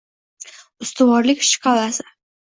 Ustuvorlik shkalasi